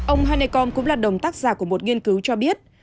ông hanekom cũng là đồng tác giả của một nghiên cứu cho biết